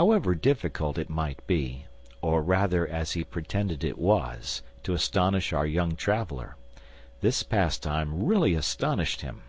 However difficult it might be, or rather as he pretended it was, to astonish our young traveler, this pastime really astonished him.